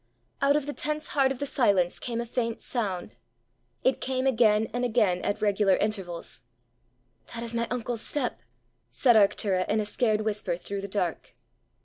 Out of the tense heart of the silence came a faint sound. It came again and again, at regular intervals. "That is my uncle's step!" said Arctura in a scared whisper through the dark.